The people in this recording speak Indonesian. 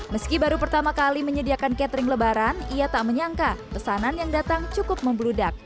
meski baru pertama kali menyediakan catering lebaran ia tak menyangka pesanan yang datang cukup membludak